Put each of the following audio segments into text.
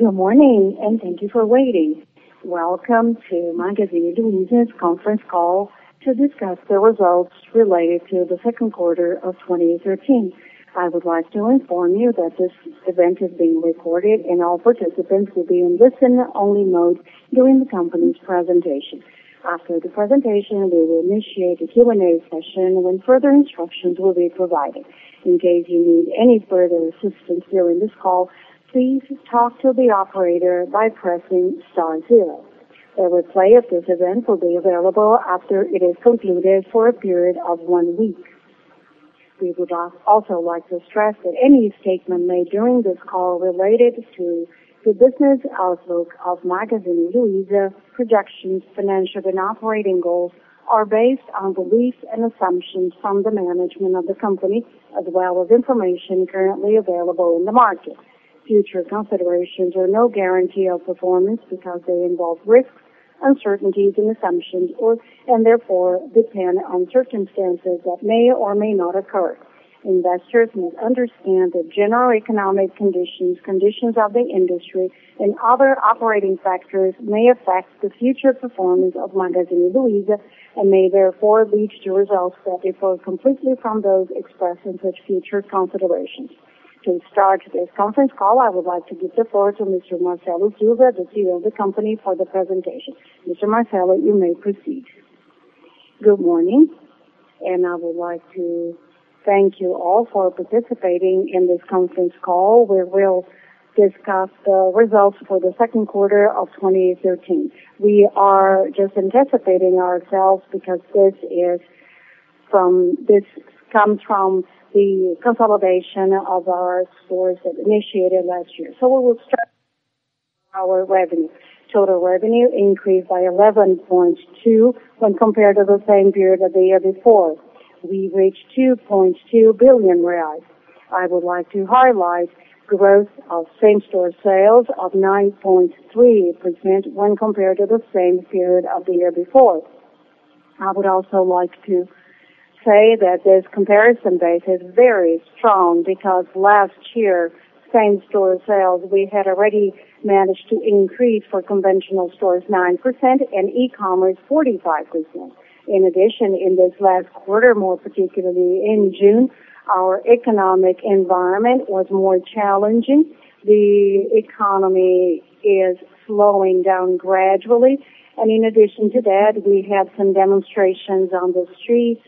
Good morning, thank you for waiting. Welcome to Magazine Luiza's conference call to discuss the results related to the second quarter of 2013. I would like to inform you that this event is being recorded, and all participants will be in listen-only mode during the company's presentation. After the presentation, we will initiate a Q&A session, when further instructions will be provided. In case you need any further assistance during this call, please talk to the operator by pressing star two. A replay of this event will be available after it is concluded for a period of one week. We would also like to stress that any statement made during this call related to the business outlook of Magazine Luiza, projections, financial, and operating goals are based on beliefs and assumptions from the management of the company, as well as information currently available in the market. Future considerations are no guarantee of performance because they involve risks, uncertainties, and assumptions, therefore depend on circumstances that may or may not occur. Investors must understand that general economic conditions of the industry, and other operating factors may affect the future performance of Magazine Luiza and may therefore lead to results that differ completely from those expressed in such future considerations. To start this conference call, I would like to give the floor to Mr. Marcelo Silva, the CEO of the company, for the presentation. Mr. Marcelo, you may proceed. Good morning, I would like to thank you all for participating in this conference call, where we'll discuss the results for the second quarter of 2013. We are just anticipating ourselves because this comes from the consolidation of our stores that initiated last year. We will start with our revenue. Total revenue increased by 11.2% when compared to the same period the year before. We reached 2.2 billion reais. I would like to highlight growth of same-store sales of 9.3% when compared to the same period of the year before. I would also like to say that this comparison base is very strong because last year, same-store sales, we had already managed to increase for conventional stores 9% and e-commerce 45%. In addition, in this last quarter, more particularly in June, our economic environment was more challenging. The economy is slowing down gradually, and in addition to that, we had some demonstrations on the streets.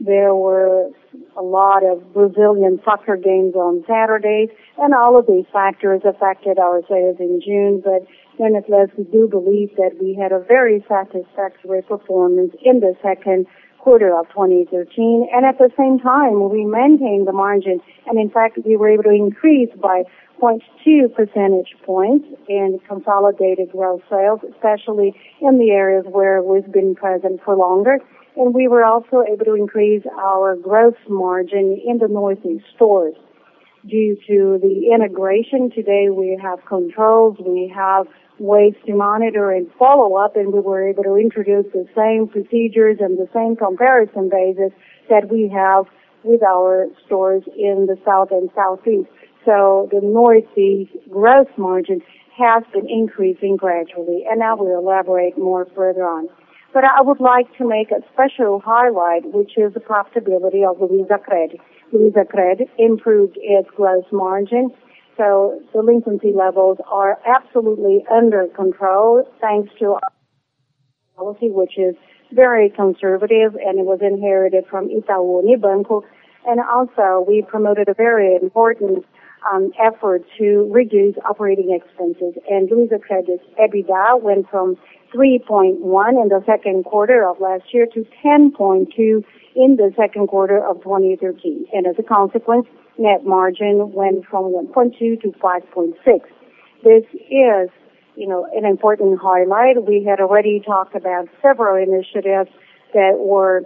There were a lot of Brazilian soccer games on Saturdays, and all of these factors affected our sales in June. Nonetheless, we do believe that we had a very satisfactory performance in the second quarter of 2013. At the same time, we maintained the margin, and in fact, we were able to increase by 0.2 percentage points in consolidated gross sales, especially in the areas where we've been present for longer. We were also able to increase our gross margin in the Northeast stores. Due to the integration, today we have controls, we have ways to monitor and follow up, and we were able to introduce the same procedures and the same comparison basis that we have with our stores in the South and Southeast. The Northeast gross margin has been increasing gradually, and I will elaborate more further on. I would like to make a special highlight, which is the profitability of LuizaCred. LuizaCred improved its gross margin. Delinquency levels are absolutely under control, thanks to our policy, which is very conservative, and it was inherited from Itaú Unibanco. Also, we promoted a very important effort to reduce operating expenses, LuizaCred's EBITDA went from 3.1 in the second quarter of last year to 10.2 in the second quarter of 2013. As a consequence, net margin went from 1.2% to 5.6%. This is an important highlight. We had already talked about several initiatives that were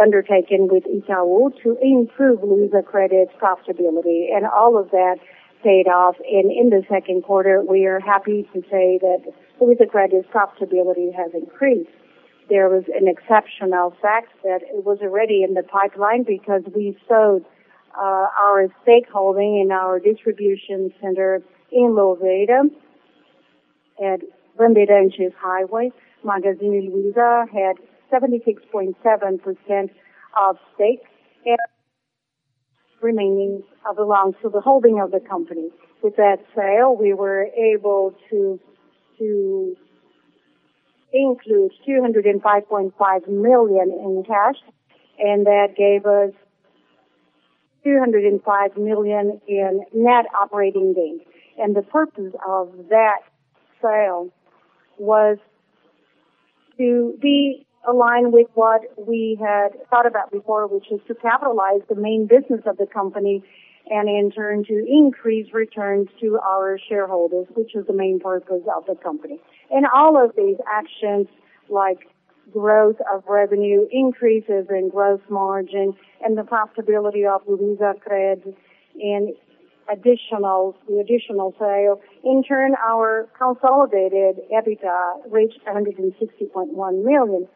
undertaken with Itaú to improve LuizaCred's profitability, and all of that paid off. In the second quarter, we are happy to say that LuizaCred's profitability has increased. There was an exceptional fact that it was already in the pipeline because we sold our stakeholding in our distribution center in Louveira at Bandeirantes Highway. Magazine Luiza had 76.7% of stakes remaining of the loans, so the holding of the company. With that sale, we were able to include 205.5 million in cash, and that gave us 205 million in net operating gain. The purpose of that sale was to be aligned with what we had thought about before, which is to capitalize the main business of the company, and in turn, to increase returns to our shareholders, which is the main purpose of the company. All of these actions like growth of revenue, increases in gross margin, the profitability of LuizaCred and the additional sale, in turn, our consolidated EBITDA reached 160.1 million.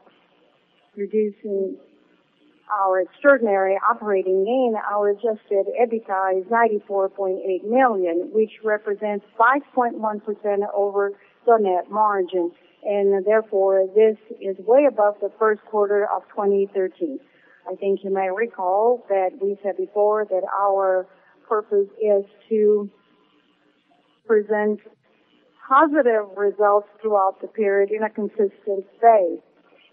Reducing our extraordinary operating gain, our adjusted EBITDA is 94.8 million, which represents 5.1% over the net margin. Therefore, this is way above the first quarter of 2013. I think you may recall that we said before that our purpose is to present positive results throughout the period in a consistent way.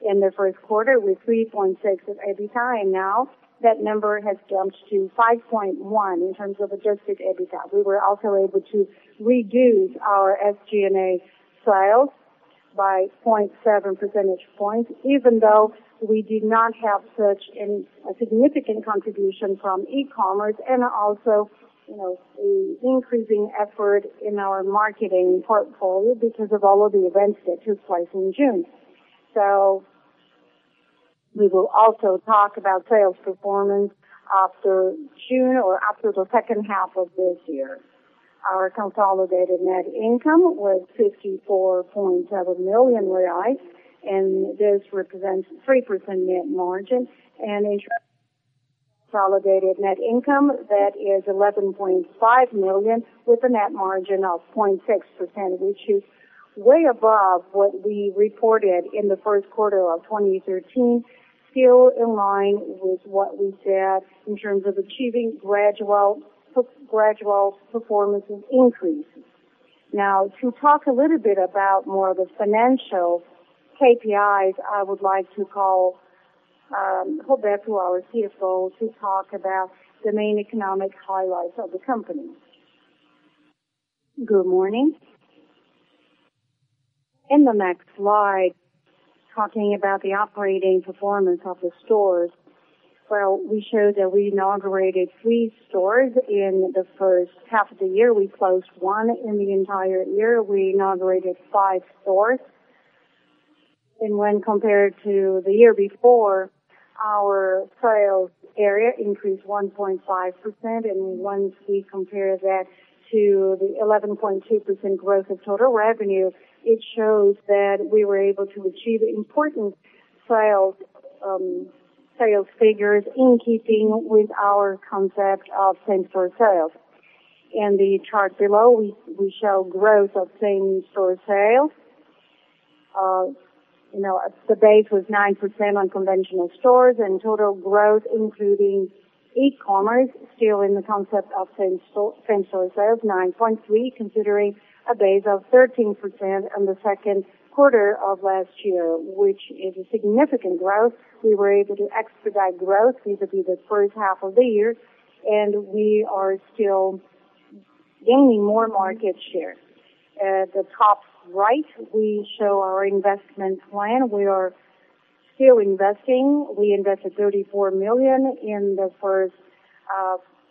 In the first quarter, it was 3.6% of EBITDA, and now that number has jumped to 5.1% in terms of adjusted EBITDA. We were also able to reduce our SG&A by 0.7 percentage points, even though we did not have such a significant contribution from e-commerce, and also, the increasing effort in our marketing portfolio because of all of the events that took place in June. We will also talk about sales performance after June or after the second half of this year. Our consolidated net income was 54.7 million reais, and this represents 3% net margin. Consolidated net income that is 11.5 million with a net margin of 0.6%, which is way above what we reported in the first quarter of 2013, still in line with what we said in terms of achieving gradual performances increases. Now, to talk a little bit about more of the financial KPIs, I would like to call Roberto, our CFO, to talk about the main economic highlights of the company. Good morning. In the next slide, talking about the operating performance of the stores. We showed that we inaugurated three stores in the first half of the year. We closed one in the entire year. We inaugurated five stores. When compared to the year before, our sales area increased 1.5%. Once we compare that to the 11.2% growth of total revenue, it shows that we were able to achieve important sales figures in keeping with our concept of same-store sales. In the chart below, we show growth of same-store sales. The base was 9% on conventional stores, and total growth, including e-commerce, still in the concept of same-store sales, 9.3%, considering a base of 13% in the second quarter of last year, which is a significant growth. We were able to expedite growth vis-à-vis the first half of the year, and we are still gaining more market share. At the top right, we show our investment plan. We are still investing. We invested 34 million in the first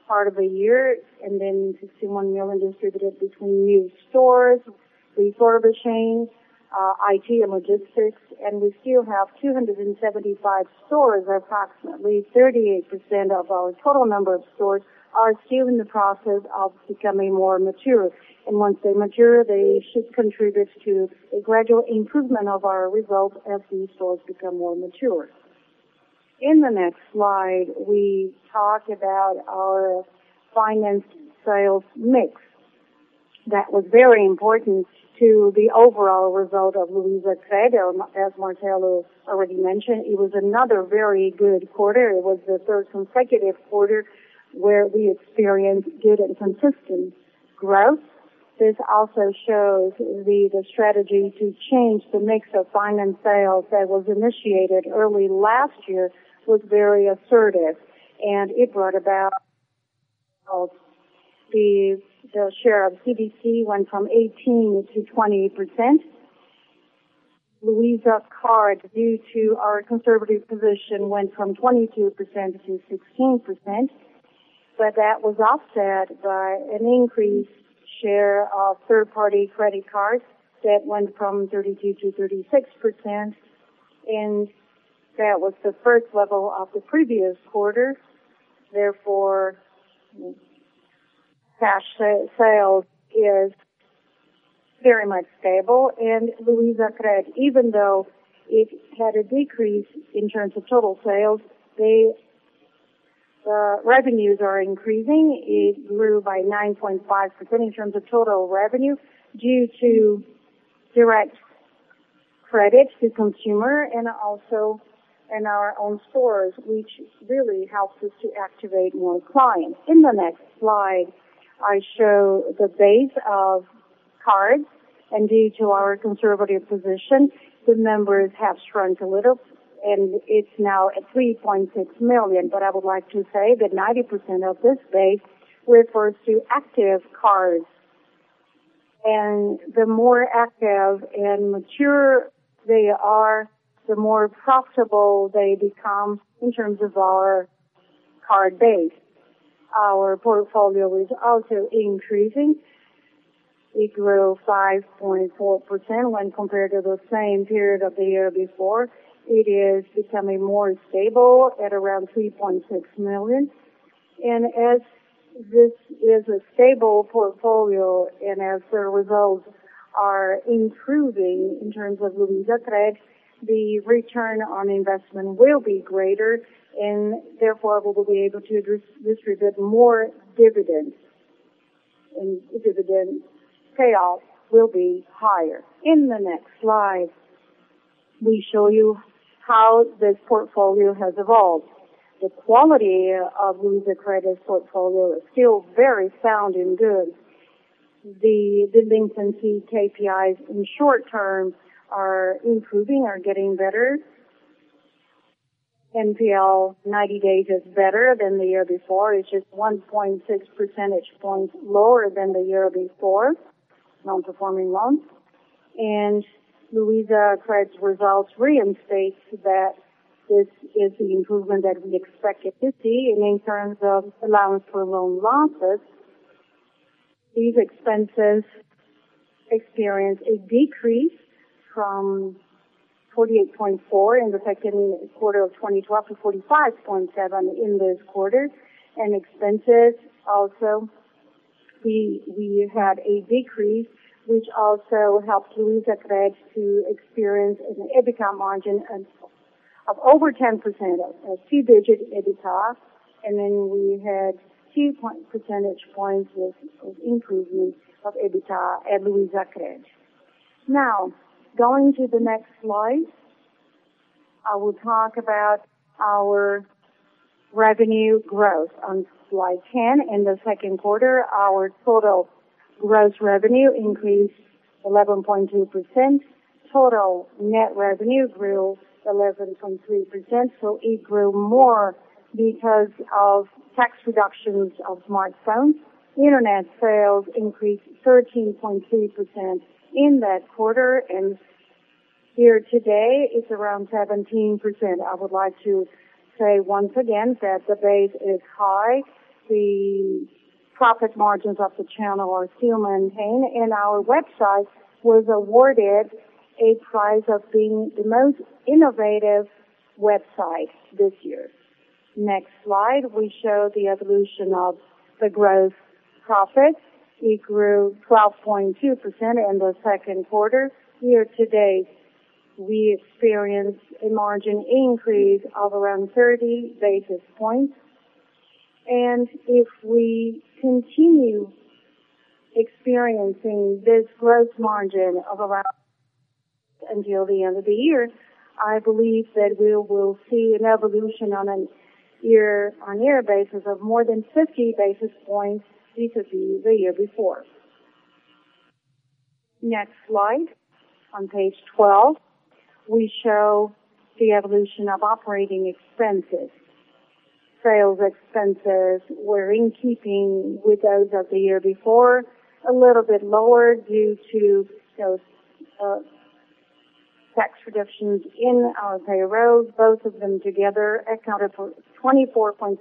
part of the year. 61 million distributed between new stores, refurbishing, IT, and logistics. We still have 275 stores, or approximately 38% of our total number of stores are still in the process of becoming more mature. Once they mature, they should contribute to a gradual improvement of our results as these stores become more mature. In the next slide, we talk about our finance sales mix. That was very important to the overall result of LuizaCred, as Marcelo already mentioned. It was another very good quarter. It was the third consecutive quarter where we experienced good and consistent growth. This also shows the strategy to change the mix of finance sales that was initiated early last year was very assertive. It brought about the share of CDC went from 18%-20%. Luiza Card, due to our conservative position, went from 22%-16%, but that was offset by an increased share of third-party credit cards that went from 32%-36%, and that was the first level of the previous quarter. Cash sales is very much stable. LuizaCred, even though it had a decrease in terms of total sales, the revenues are increasing. It grew by 9.5% in terms of total revenue due to direct credit to consumer and also in our own stores, which really helps us to activate more clients. In the next slide, I show the base of cards. Due to our conservative position, the numbers have shrunk a little, and it is now at 3.6 million. I would like to say that 90% of this base refers to active cards. The more active and mature they are, the more profitable they become in terms of our card base. Our portfolio is also increasing. It grew 5.4% when compared to the same period of the year before. It is becoming more stable at around 3.6 million. As this is a stable portfolio, and as the results are improving in terms of LuizaCred, the return on investment will be greater, and therefore, we will be able to distribute more dividends, and dividend payout will be higher. In the next slide, we show you how this portfolio has evolved. The quality of LuizaCred's portfolio is still very sound and good. The delinquency KPIs in short-term are improving, are getting better. NPL 90-day is better than the year before. It is just 1.6 percentage points lower than the year before, non-performing loans. LuizaCred's results reinstate that this is the improvement that we expected to see. In terms of allowance for loan losses, these expenses experienced a decrease from 48.4 in the Q2 2012 to 45.7 in this quarter. Expenses also, we had a decrease, which also helped LuizaCred to experience an EBITDA margin of over 10%, a two-digit EBITDA. We had two percentage points of improvement of EBITDA at LuizaCred. Going to the next slide. I will talk about our revenue growth on slide 10. In the Q2, our total gross revenue increased 11.2%. Total net revenue grew 11.3%, it grew more because of tax reductions of smartphones. Internet sales increased 13.3% in that quarter. Year-to-date, it is around 17%. I would like to say, once again, that the base is high. The profit margins of the channel are still maintained, and our website was awarded a prize of being the most innovative website this year. Next slide, we show the evolution of the gross profit. It grew 12.2% in the second quarter. Year-to-date, we experienced a margin increase of around 30 basis points. If we continue experiencing this gross margin of around until the end of the year, I believe that we will see an evolution on a year-on-year basis of more than 50 basis points vis-à-vis the year before. Next slide. On page 12, we show the evolution of operating expenses. Sales expenses were in keeping with those of the year before, a little bit lower due to sales tax reductions in our payrolls. Both of them together accounted for 24.7%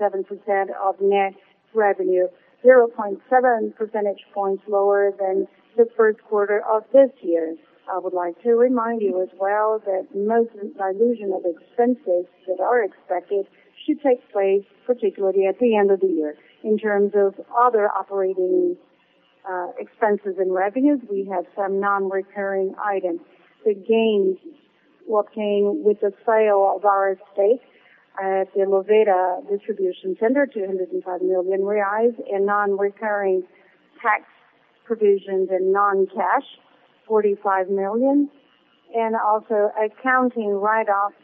of net revenue, 0.7 percentage points lower than the first quarter of this year. I would like to remind you as well that most dilution of expenses that are expected should take place, particularly at the end of the year. In terms of other operating expenses and revenues, we have some non-recurring items. The gains obtained with the sale of our stake at the Louveira Distribution Center, 205 million reais, and non-recurring tax provisions and non-cash, 45 million, and also accounting write-offs stemming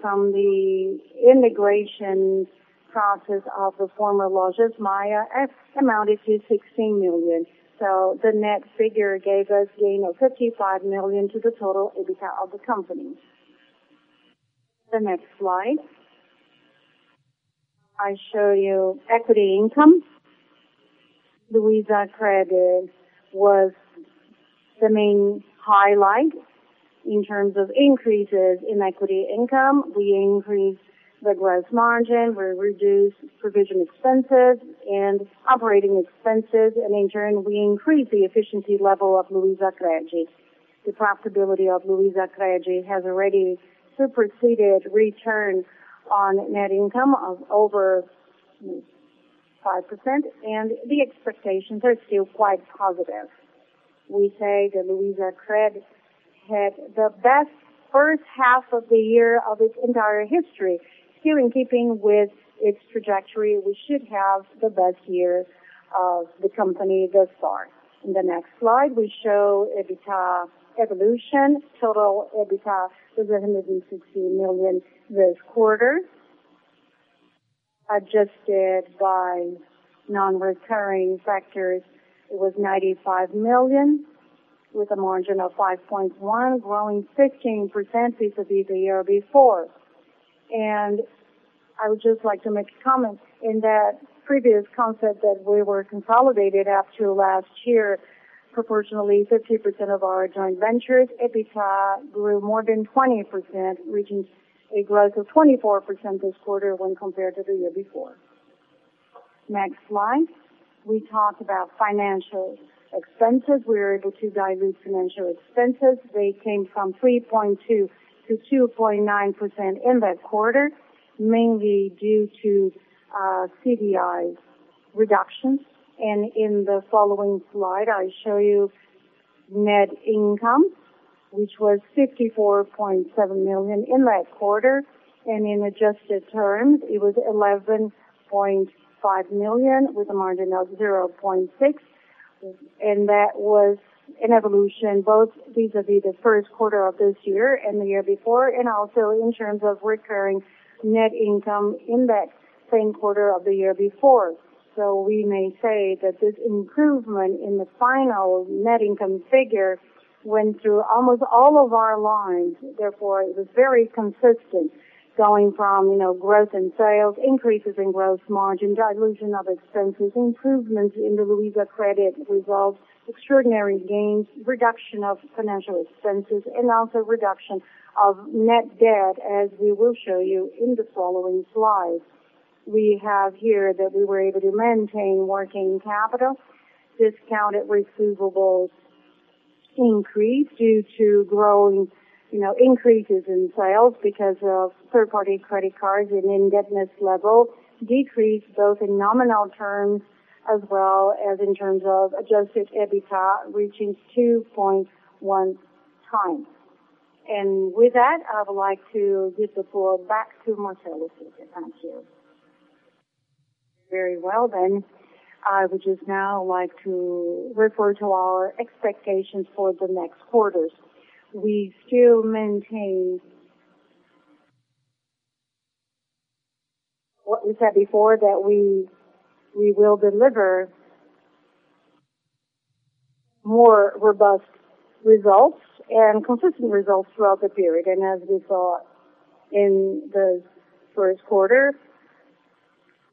from the integration process of the former Lojas Maia amounted to 16 million. The net figure gave us gain of 55 million to the total EBITDA of the company. Next slide. I show you equity income. LuizaCred was the main highlight in terms of increases in equity income. We increased the gross margin. We reduced provision expenses and operating expenses, and in turn, we increased the efficiency level of LuizaCred. The profitability of LuizaCred has already superseded return on net income of over 5%, and the expectations are still quite positive. We say that LuizaCred had the best first half of the year of its entire history. Still in keeping with its trajectory, we should have the best year of the company thus far. In the next slide, we show EBITDA evolution. Total EBITDA was BRL 160 million this quarter. Adjusted by non-recurring factors, it was 95 million, with a margin of 5.1%, growing 15% vis-à-vis the year before. I would just like to make a comment. In that previous concept that we were consolidated up to last year, proportionally 50% of our joint ventures' EBITDA grew more than 20%, reaching a growth of 24% this quarter when compared to the year before. Next slide. We talked about financial expenses. We were able to dilute financial expenses. They came from 3.2% to 2.9% in that quarter, mainly due to CDI reductions. In the following slide, I show you net income, which was 54.7 million in that quarter. In adjusted terms, it was 11.5 million with a margin of 0.6%. That was an evolution, both vis-à-vis the first quarter of this year and the year before, and also in terms of recurring net income in that same quarter of the year before. We may say that this improvement in the final net income figure went through almost all of our lines. It was very consistent, going from growth in sales, increases in gross margin, dilution of expenses, improvement in the LuizaCred results, extraordinary gains, reduction of financial expenses, and also reduction of net debt, as we will show you in the following slides. We have here that we were able to maintain working capital. Discounted receivables increased due to growing increases in sales because of third-party credit cards and indebtedness level decreased both in nominal terms as well as in terms of adjusted EBITDA, reaching 2.1 times. With that, I would like to give the floor back to Marcelo. Thank you. Very well then. I would just now like to refer to our expectations for the next quarters. We still maintain what we said before, that we will deliver more robust results and consistent results throughout the period. As we saw in the first quarter,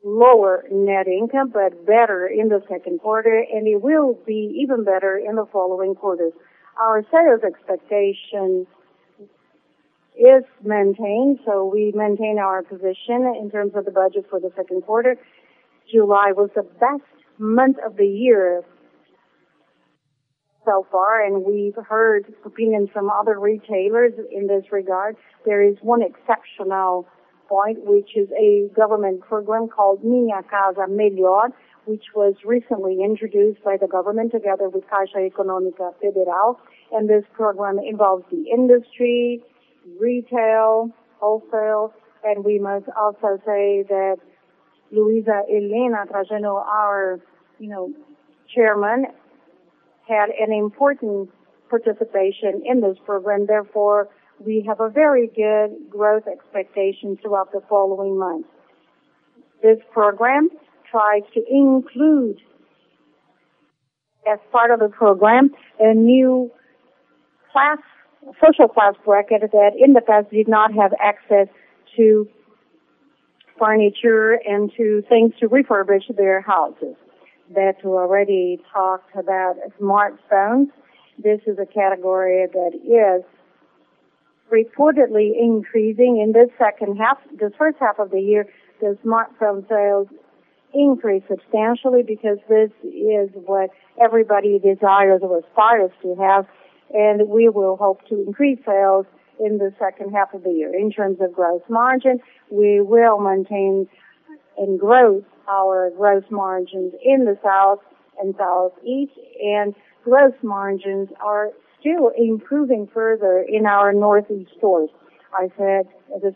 lower net income, but better in the second quarter, and it will be even better in the following quarters. Our sales expectation is maintained, so we maintain our position in terms of the budget for the second quarter. July was the best month of the year so far. We've heard opinions from other retailers in this regard. There is one exceptional point, which is a government program called Minha Casa Melhor, which was recently introduced by the government together with Caixa Econômica Federal. This program involves the industry, retail, wholesale. We must also say that Luiza Helena Trajano, our Chairman, had an important participation in this program. Therefore, we have a very good growth expectation throughout the following months. This program tries to include, as part of the program, a new social class bracket that in the past did not have access to furniture and to things to refurbish their houses. Roberto already talked about smartphones. This is a category that is reportedly increasing in this second half. This first half of the year, the smartphone sales increased substantially because this is what everybody desires or aspires to have. We will hope to increase sales in the second half of the year. In terms of gross margin, we will maintain and grow our gross margins in the South and Southeast. Gross margins are still improving further in our Northeast stores. As I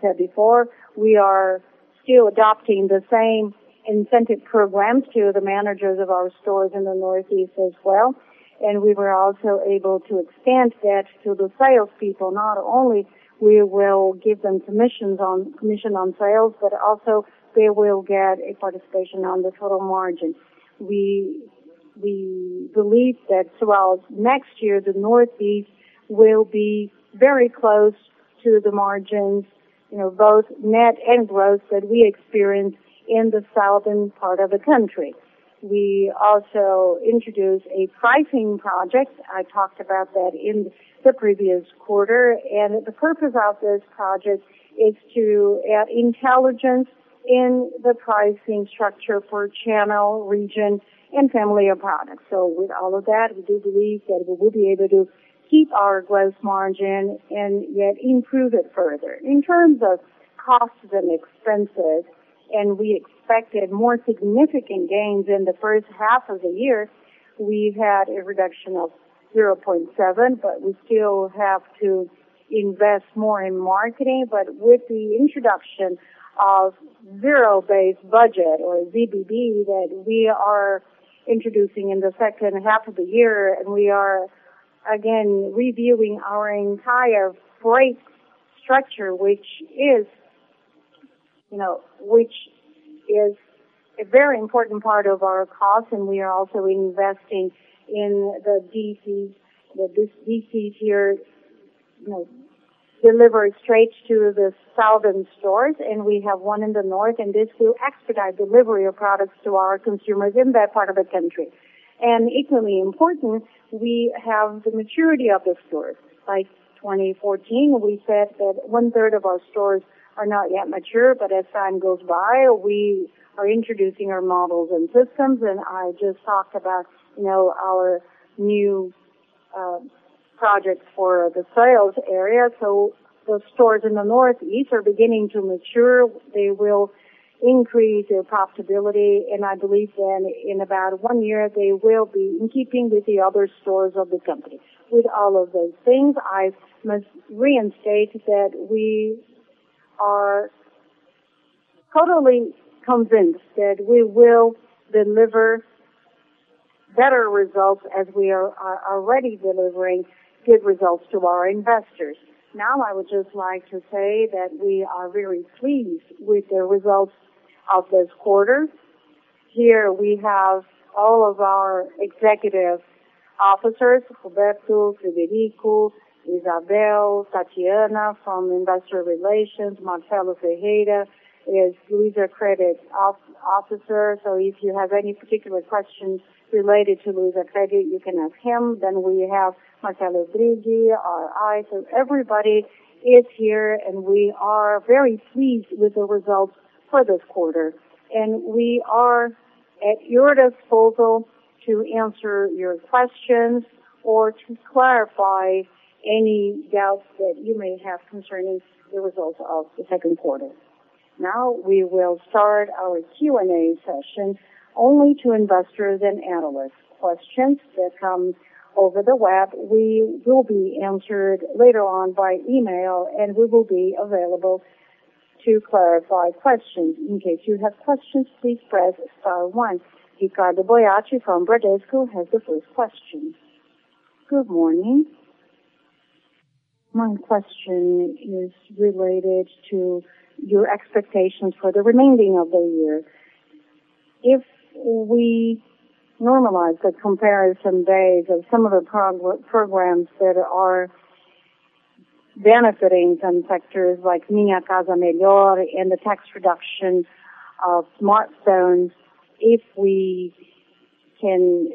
said before, we are still adopting the same incentive programs to the managers of our stores in the Northeast as well. We were also able to expand that to the salespeople. Not only we will give them commission on sales, but also they will get a participation on the total margin. We believe that throughout next year, the Northeast will be very close to the margins, both net and gross, that we experienced in the southern part of the country. We also introduced a pricing project. I talked about that in the previous quarter. The purpose of this project is to add intelligence in the pricing structure for channel, region, and family of products. With all of that, we do believe that we will be able to keep our gross margin and yet improve it further. In terms of costs and expenses, we expected more significant gains in the first half of the year. We had a reduction of 0.7, but we still have to invest more in marketing. With the introduction of Zero-Based Budgeting or ZBB that we are introducing in the second half of the year, we are again reviewing our entire freight structure, which is a very important part of our cost. We are also investing in the DCs here delivered straight to the southern stores. We have one in the north, and this will expedite delivery of products to our consumers in that part of the country. Equally important, we have the maturity of the stores. By 2014, we said that one-third of our stores are not yet mature, but as time goes by, we are introducing our models and systems. I just talked about our new projects for the sales area. Those stores in the Northeast are beginning to mature. They will increase their profitability. I believe then in about one year, they will be in keeping with the other stores of the company. With all of those things, I must reiterate that we are totally convinced that we will deliver better results as we are already delivering good results to our investors. I would just like to say that we are very pleased with the results of this quarter. Here we have all of our executive officers, Roberto, Frederico, Isabel, Tatiana from Investor Relations. Marcelo Ferreira is LuizaCred officer. If you have any particular questions related to LuizaCred, you can ask him. We have Marcelo Trigele, IR. Everybody is here, and we are very pleased with the results for this quarter. We are at your disposal to answer your questions or to clarify any doubts that you may have concerning the results of the second quarter. We will start our Q&A session only to investors and analysts. Questions that come over the web will be answered later on by email. We will be available to clarify questions. In case you have questions, please press star one. Ricardo Boiati from Bradesco has the first question. Good morning. My question is related to your expectations for the remaining of the year. If we normalize the comparison base of some of the programs that are benefiting some sectors like Minha Casa Melhor and the tax reduction of smartphones. If we can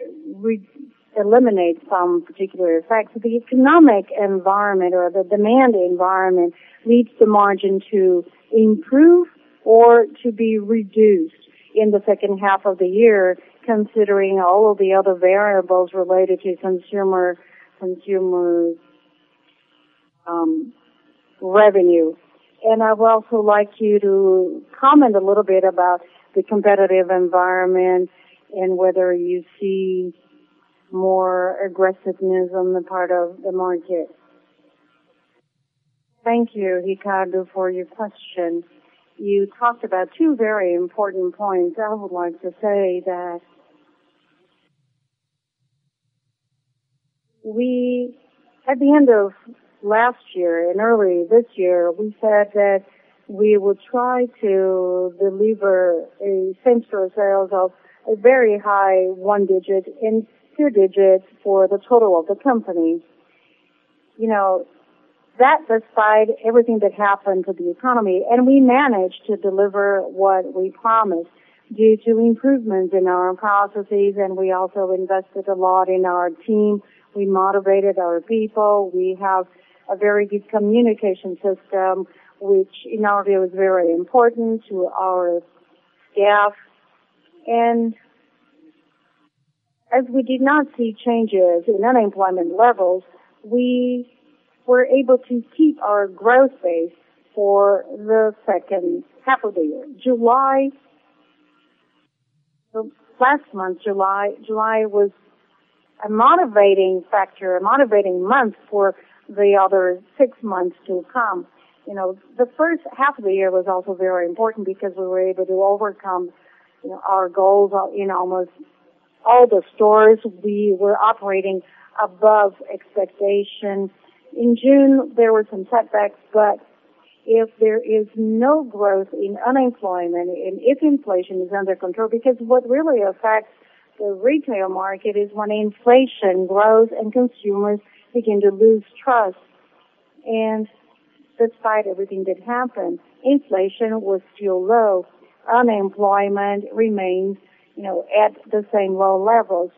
eliminate some particular effects of the economic environment or the demand environment, leads the margin to improve or to be reduced in the second half of the year, considering all of the other variables related to consumer revenue. I would also like you to comment a little bit about the competitive environment and whether you see more aggressiveness on the part of the market. Thank you, Ricardo, for your question. You talked about two very important points. I would like to say that at the end of last year and early this year, we said that we would try to deliver a same-store sales of a very high one digit and two digits for the total of the company. That aside everything that happened to the economy, we managed to deliver what we promised due to improvements in our processes, and we also invested a lot in our team. We motivated our people. We have a very good communication system, which in our view is very important to our staff. As we did not see changes in unemployment levels, we were able to keep our growth base for the second half of the year. Last month, July, was a motivating factor, a motivating month for the other six months to come. The first half of the year was also very important because we were able to overcome our goals in almost all the stores. We were operating above expectations. In June, there were some setbacks. If there is no growth in unemployment and if inflation is under control, because what really affects the retail market is when inflation grows and consumers begin to lose trust. Despite everything that happened, inflation was still low. Unemployment remains at the same low level.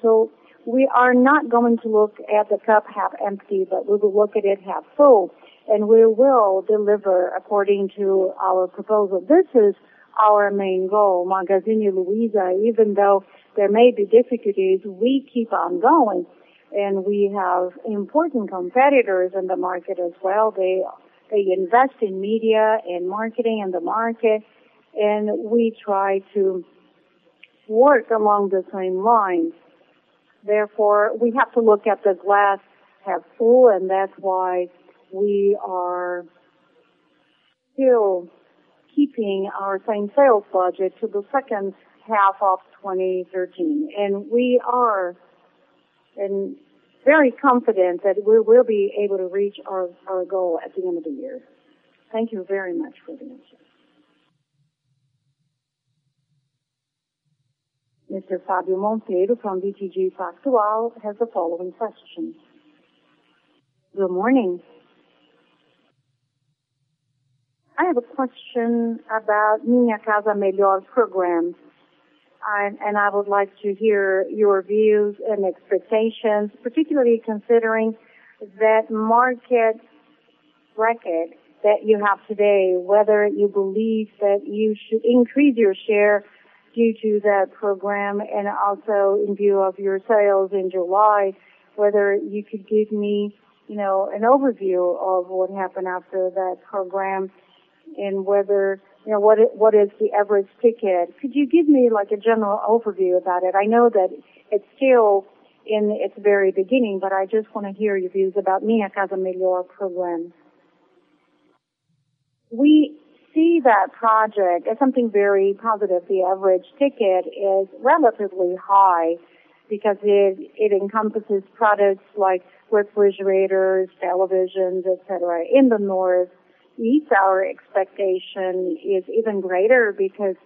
We are not going to look at the cup half empty, but we will look at it half full, and we will deliver according to our proposal. This is our main goal. Magazine Luiza, even though there may be difficulties, we keep on going, and we have important competitors in the market as well. They invest in media, in marketing, in the market, and we try to work along the same lines. We have to look at the glass half full. That's why we are still keeping our same sales budget to the second half of 2013. We are very confident that we will be able to reach our goal at the end of the year. Thank you very much for the answer. Mr. Fabio Monteiro from BTG Pactual has the following question. Good morning. I have a question about Minha Casa Melhor program. I would like to hear your views and expectations, particularly considering that market bracket that you have today, whether you believe that you should increase your share due to that program, and also in view of your sales in July, whether you could give me an overview of what happened after that program, and what is the average ticket. Could you give me a general overview about it? I know that it's still in its very beginning. I just want to hear your views about Minha Casa Melhor program. We see that project as something very positive. The average ticket is relatively high because it encompasses products like refrigerators, televisions, et cetera. In the North, our expectation is even greater because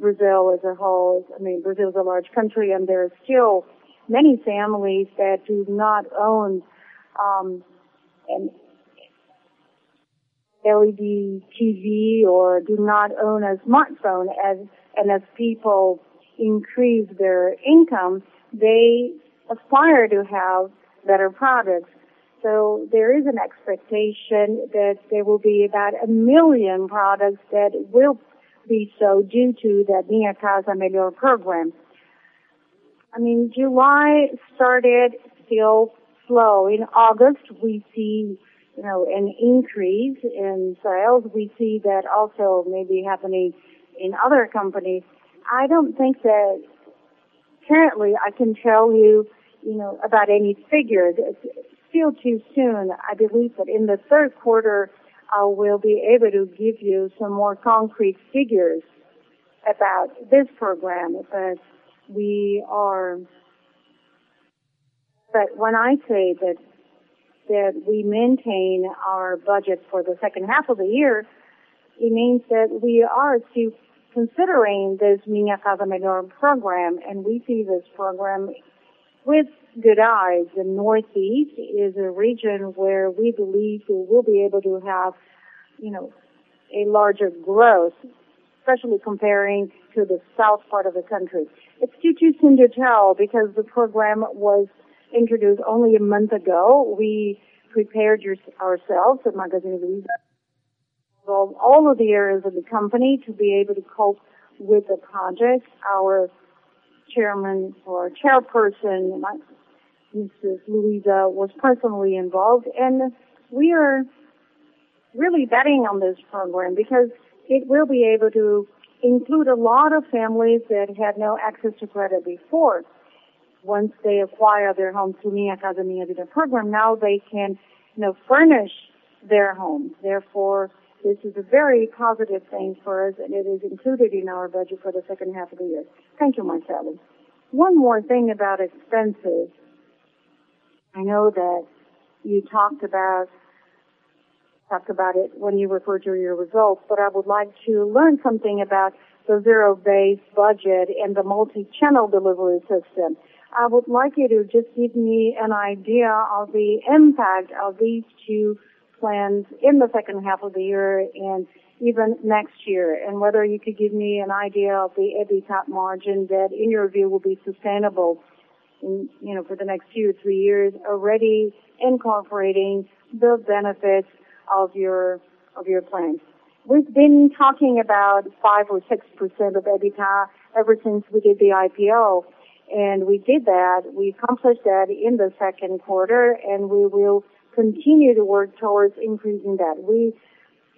Brazil is a large country, and there are still many families that do not own an LED TV or do not own a smartphone. As people increase their income, they aspire to have better products. There is an expectation that there will be about 1 million products that will be sold due to the Minha Casa Melhor program. July started still slow. In August, we see an increase in sales. We see that also maybe happening in other companies. I don't think that currently I can tell you about any figures. It's still too soon. I believe that in the third quarter, I will be able to give you some more concrete figures about this program. When I say that we maintain our budget for the second half of the year, it means that we are still considering this Minha Casa Melhor program, and we see this program with good eyes. The Northeast is a region where we believe we will be able to have a larger growth, especially comparing to the south part of the country. It's still too soon to tell because the program was introduced only a month ago. We prepared ourselves at Magazine Luiza, all of the areas of the company, to be able to cope with the project. Our chairperson, Mrs. Luiza, was personally involved, and we are really betting on this program because it will be able to include a lot of families that had no access to credit before. Once they acquire their home through Minha Casa Melhor program, now they can furnish their homes. Therefore, this is a very positive thing for us, and it is included in our budget for the second half of the year. Thank you, Marcelo. One more thing about expenses. I know that you talked about it when you referred to your results, but I would like to learn something about the Zero-Based Budgeting and the multi-channel delivery system. I would like you to just give me an idea of the impact of these two plans in the second half of the year and even next year, and whether you could give me an idea of the EBITDA margin that, in your view, will be sustainable for the next two, three years, already incorporating the benefits of your plans. We've been talking about 5% or 6% of EBITDA ever since we did the IPO, and we did that. We accomplished that in the second quarter, and we will continue to work towards increasing that. We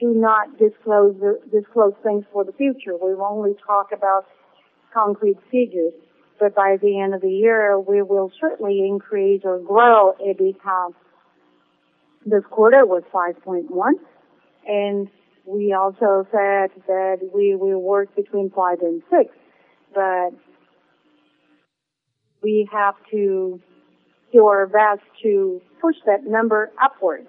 do not disclose things for the future. We've only talked about concrete figures. By the end of the year, we will certainly increase or grow EBITDA. This quarter was 5.1%, and we also said that we will work between 5% and 6%, but we have to do our best to push that number upwards.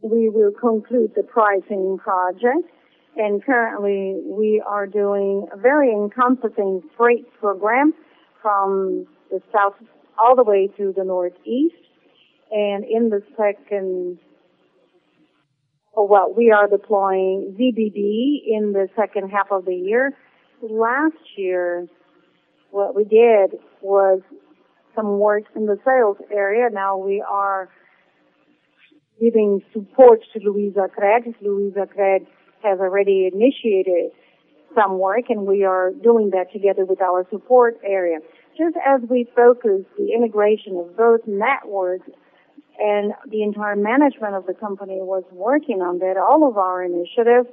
We will conclude the pricing project, and currently, we are doing a very encompassing freight program from the South all the way to the Northeast. We are deploying ZBB in the second half of the year. Last year, what we did was some work in the sales area. Now we are giving support to LuizaCred. LuizaCred has already initiated some work, and we are doing that together with our support area. Just as we focused the integration of both networks and the entire management of the company was working on that. All of our initiatives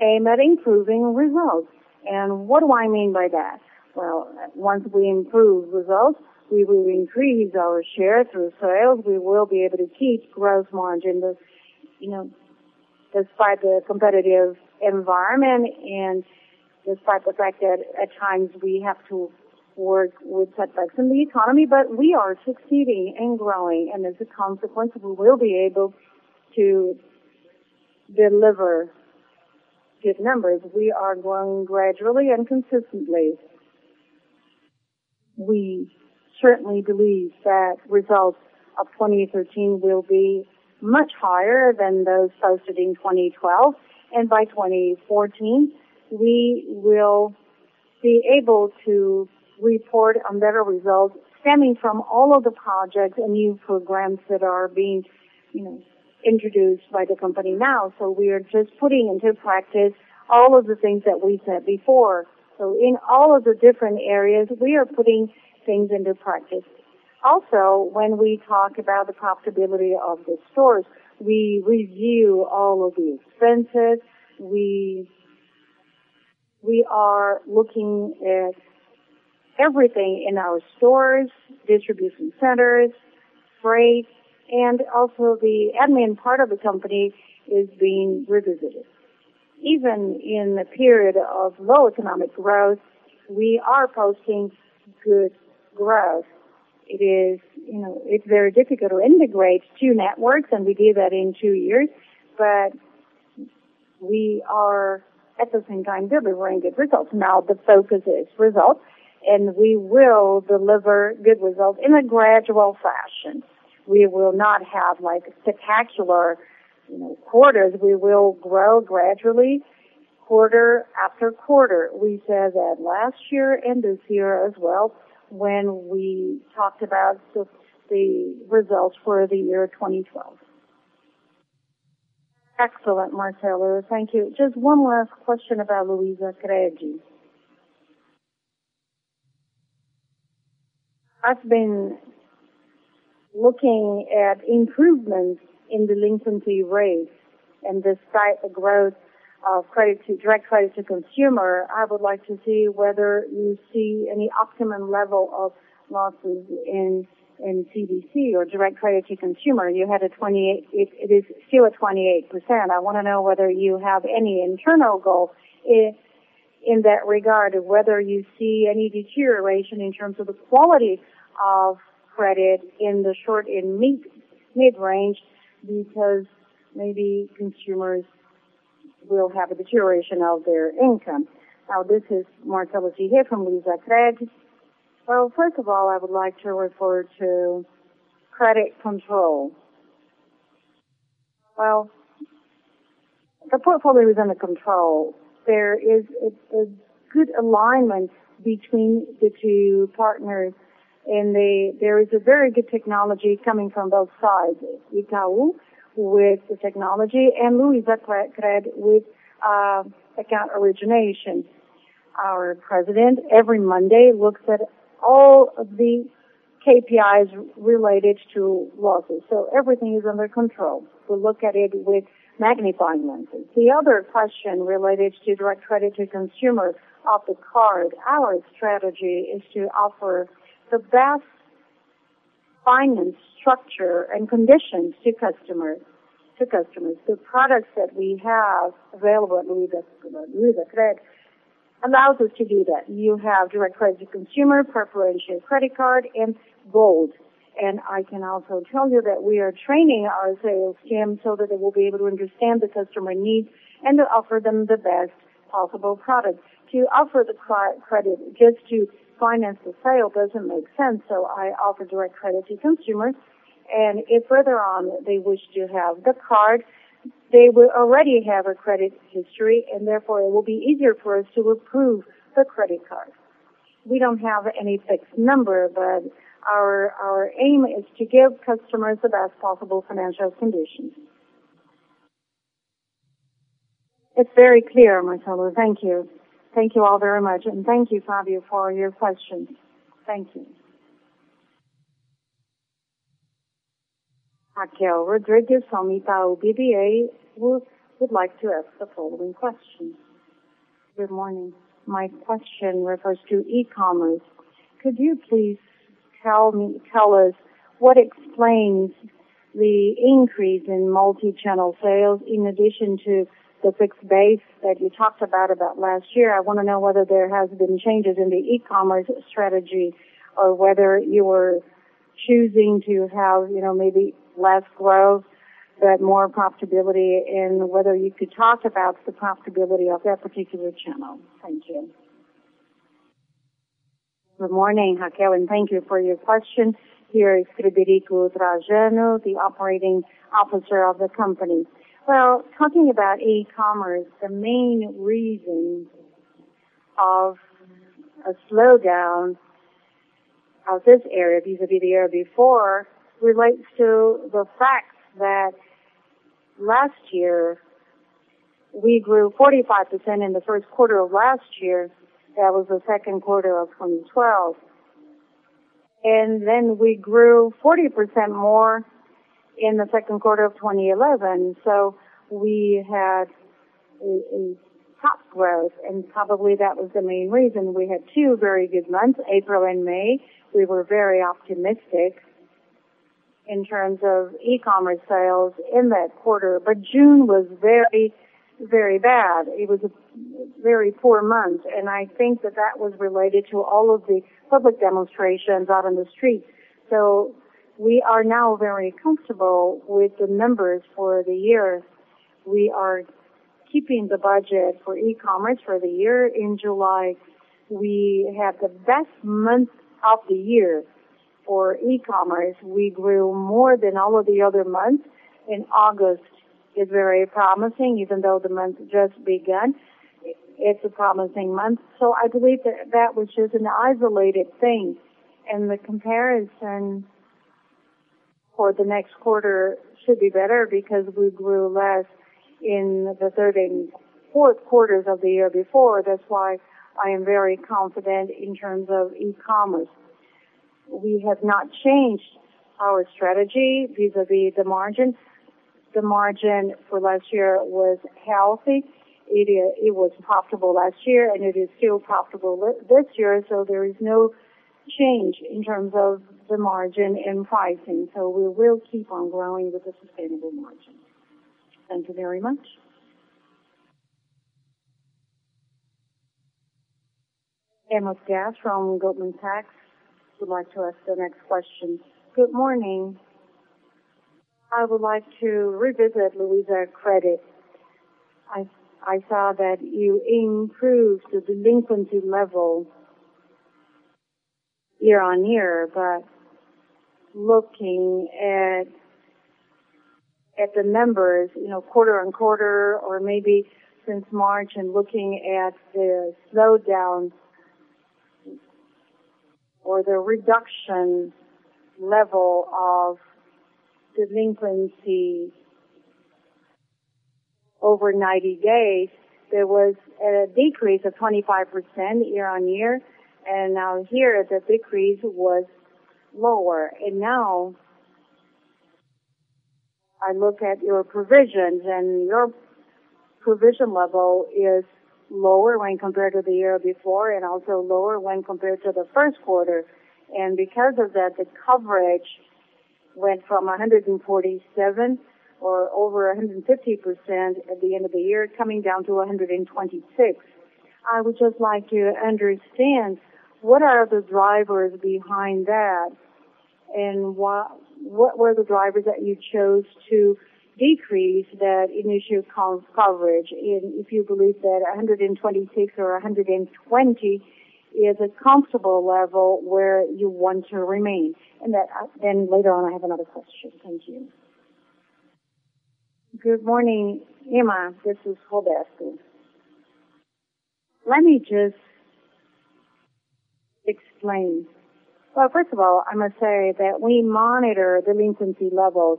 aim at improving results. What do I mean by that? Well, once we improve results, we will increase our share through sales. We will be able to keep growth margin despite the competitive environment and despite the fact that at times we have to work with setbacks in the economy. We are succeeding and growing, and as a consequence, we will be able to deliver good numbers. We are growing gradually and consistently. We certainly believe that results of 2013 will be much higher than those posted in 2012. By 2014, we will be able to report on better results stemming from all of the projects and new programs that are being introduced by the company now. We are just putting into practice all of the things that we said before. In all of the different areas, we are putting things into practice. Also, when we talk about the profitability of the stores, we review all of the expenses. We are looking at everything in our stores, distribution centers, freight, and also the admin part of the company is being revisited. Even in the period of low economic growth, we are posting good growth. It is very difficult to integrate two networks, and we did that in two years. We are at the same time delivering good results. Now the focus is results, and we will deliver good results in a gradual fashion. We will not have spectacular quarters. We will grow gradually, quarter after quarter. We said that last year and this year as well when we talked about the results for the year 2012. Excellent, Marcelo. Thank you. Just one last question about LuizaCred. I've been looking at improvements in delinquency rates and despite the growth of direct credit to consumer, I would like to see whether you see any optimum level of losses in CDC or direct credit to consumer. It is still at 28%. I want to know whether you have any internal goal in that regard, whether you see any deterioration in terms of the quality of credit in the short and mid-range, because maybe consumers will have a deterioration of their income. This is Marcelo Ferreira from LuizaCred. Well, first of all, I would like to refer to credit control. Well, the portfolio is under control. There is a good alignment between the two partners, and there is a very good technology coming from both sides. Itaú with the technology and LuizaCred with account origination. Our president, every Monday, looks at all of the KPIs related to losses. Everything is under control. We look at it with magnifying lenses. The other question related to direct credit to consumer of the card, our strategy is to offer the best finance structure and conditions to customers. The products that we have available at LuizaCred allows us to do that. You have direct credit to consumer, preferential credit card, and gold. I can also tell you that we are training our sales team so that they will be able to understand the customer needs and to offer them the best possible product. To offer the credit just to finance the sale doesn't make sense, I offer direct credit to consumer. If later on they wish to have the card, they will already have a credit history, and therefore it will be easier for us to approve the credit card. We don't have any fixed number, but our aim is to give customers the best possible financial conditions. It's very clear, Marcelo. Thank you. Thank you all very much. Thank you, Fabio, for your questions. Thank you. Raquel Rodrigues from Itaú BBA would like to ask the following question. Good morning. My question refers to e-commerce. Could you please tell us what explains the increase in multi-channel sales in addition to the fixed base that you talked about last year? I want to know whether there have been changes in the e-commerce strategy or whether you are choosing to have maybe less growth but more profitability and whether you could talk about the profitability of that particular channel. Thank you. Good morning, Raquel, and thank you for your question. Here is Frederico Trajano, the Operating Officer of the company. Talking about e-commerce, the main reason of a slowdown of this area vis-à-vis the year before relates to the fact that last year, we grew 45% in the first quarter of last year. That was the second quarter of 2012. Then we grew 40% more in the second quarter of 2011. We had a top growth and probably that was the main reason. We had two very good months, April and May. We were very optimistic in terms of e-commerce sales in that quarter. June was very bad. It was a very poor month. I think that was related to all of the public demonstrations out in the street. We are now very comfortable with the numbers for the year. We are keeping the budget for e-commerce for the year. In July, we had the best month of the year for e-commerce. We grew more than all of the other months. August is very promising, even though the month has just begun. It's a promising month. I believe that was just an isolated thing, and the comparison for the next quarter should be better because we grew less in the third and fourth quarters of the year before. That's why I am very confident in terms of e-commerce. We have not changed our strategy vis-à-vis the margin. The margin for last year was healthy. It was profitable last year, and it is still profitable this year. There is no change in terms of the margin and pricing. We will keep on growing with a sustainable margin. Thank you very much. Irma Sgarz from Goldman Sachs would like to ask the next question. Good morning. I would like to revisit LuizaCred. I saw that you improved the delinquency level year-on-year. Looking at the numbers quarter-on-quarter or maybe since March and looking at the slowdown or the reduction level of delinquency over 90 days, there was a decrease of 25% year-on-year. Now here the decrease was lower. Now I look at your provisions, your provision level is lower when compared to the year before and also lower when compared to the first quarter. Because of that, the coverage went from 147% or over 150% at the end of the year, coming down to 126%. I would just like to understand what are the drivers behind that. What were the drivers that you chose to decrease that initial coverage, and if you believe that 126% or 120% is a comfortable level where you want to remain. Later on, I have another question. Thank you. Good morning, Irma. This is Roberto Bellissimo. Let me just explain. First of all, I must say that we monitor delinquency levels,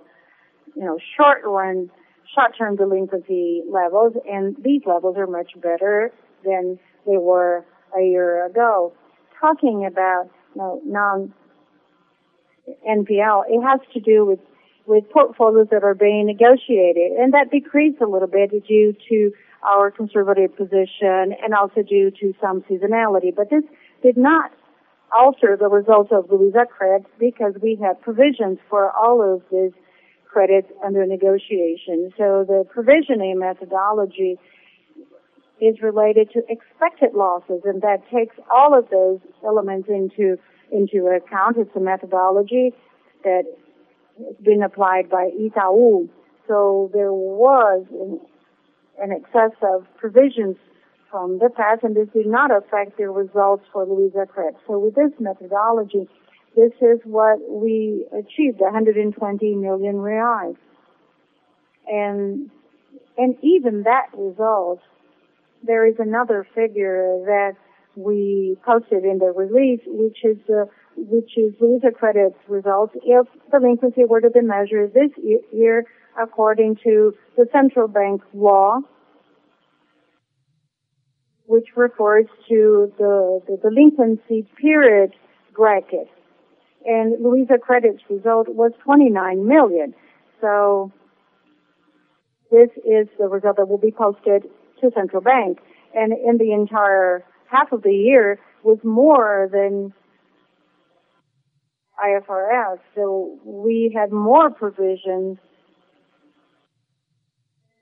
short-term delinquency levels. These levels are much better than they were a year ago. Talking about non-NPL, it has to do with portfolios that are being negotiated. That decreased a little bit due to our conservative position and also due to some seasonality. This did not alter the results of LuizaCred because we have provisions for all of these credits under negotiation. The provisioning methodology is related to expected losses. That takes all of those elements into account. It's a methodology that has been applied by Itaú. There was an excess of provisions from the past. This did not affect the results for LuizaCred. With this methodology, this is what we achieved, 120 million reais. Even that result, there is another figure that we posted in the release, which is LuizaCred's result if delinquency were to be measured this year according to the Central Bank's law, which refers to the delinquency period bracket. LuizaCred's result was BRL 29 million. This is the result that will be posted to Central Bank. In the entire half of the year with more than IFRS. We had more provisions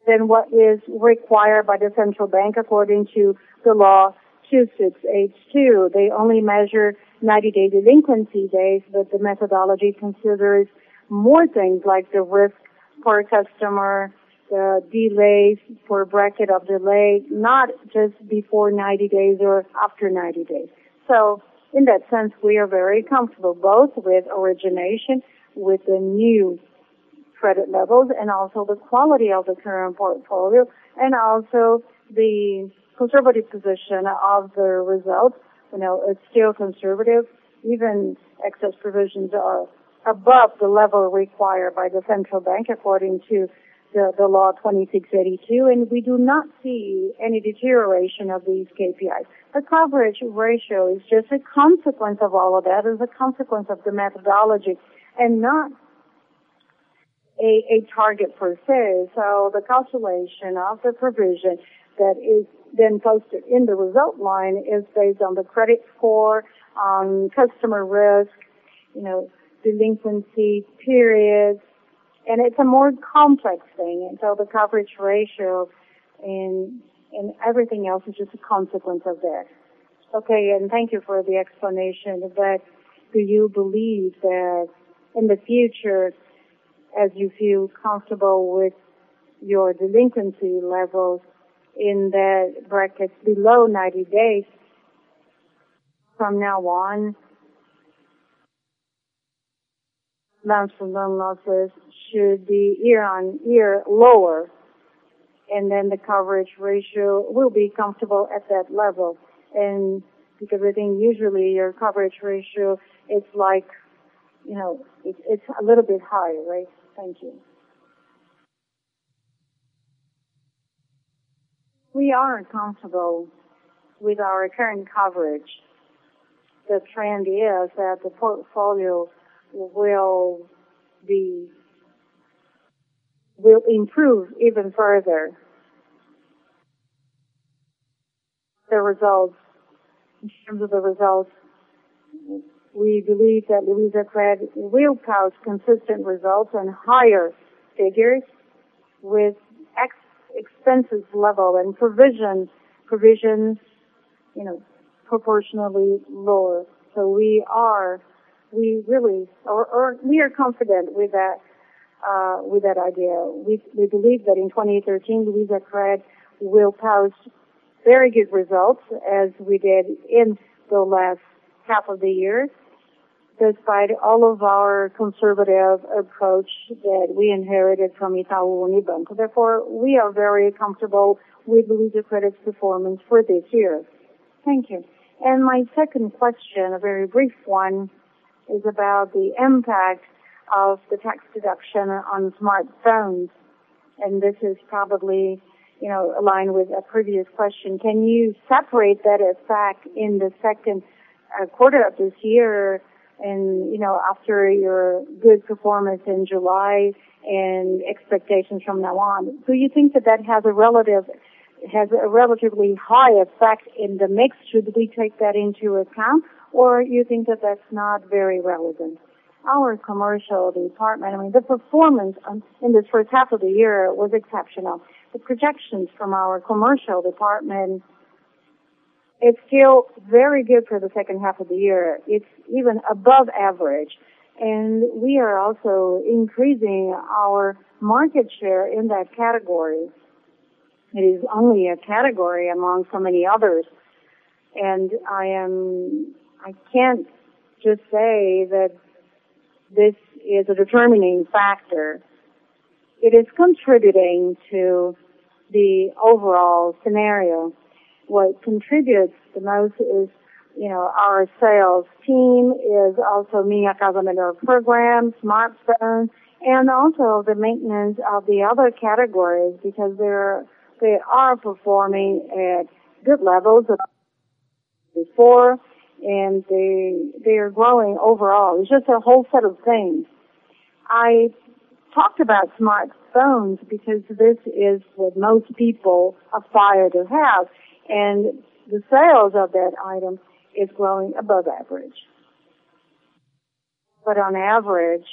than what is required by the Central Bank, according to Resolution 2682. They only measure 90-day delinquency days. The methodology considers more things like the risk for a customer, the delays for a bracket of delay, not just before 90 days or after 90 days. In that sense, we are very comfortable both with origination, with the new credit levels, the quality of the current portfolio, and the conservative position of the results. It's still conservative. Even excess provisions are above the level required by the Central Bank, according to Resolution 2682. We do not see any deterioration of these KPIs. The coverage ratio is just a consequence of all of that. It's a consequence of the methodology and not a target per se. The calculation of the provision that is then posted in the result line is based on the credit score, on customer risk, delinquency periods. It's a more complex thing. The coverage ratio and everything else is just a consequence of that. Okay. Thank you for the explanation of that. Do you believe that in the future, as you feel comfortable with your delinquency levels in the brackets below 90 days from now on, non-fund loan losses should be year-on-year lower? The coverage ratio will be comfortable at that level? I think usually your coverage ratio, it's a little bit high, right? Thank you. We are comfortable with our current coverage. The trend is that the portfolio will improve even further. In terms of the results, we believe that LuizaCred will post consistent results and higher figures with X expenses level and provisions proportionally lower. We are confident with that idea. We believe that in 2013, LuizaCred will post very good results as we did in the last half of the year, despite all of our conservative approach that we inherited from Itaú Unibanco. Therefore, we are very comfortable with LuizaCred's performance for this year. Thank you. My second question, a very brief one, is about the impact of the tax deduction on smartphones, this is probably aligned with a previous question. Can you separate that effect in the second quarter of this year and after your good performance in July and expectations from now on? Do you think that that has a relatively high effect in the mix? Should we take that into account or you think that that's not very relevant? Our commercial department, I mean, the performance in the first half of the year was exceptional. The projections from our commercial department, it's still very good for the second half of the year. It's even above average. We are also increasing our market share in that category. It is only a category among so many others, I can't just say that this is a determining factor. It is contributing to the overall scenario. What contributes the most is our sales team, is also Minha Casa Melhor program, smartphones, and also the maintenance of the other categories because they are performing at good levels before, they are growing overall. It's just a whole set of things. I talked about smartphones because this is what most people aspire to have, the sales of that item is growing above average. On average,